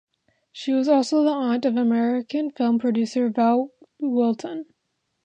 She was also the aunt of American film producer Val Lewton.